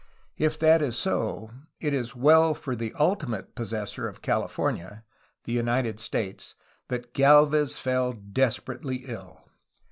If that is so, it is well for the ultimate possessor of California (the United States) that Galvez fell desperately ill.